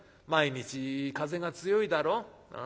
毎日風が強いだろ。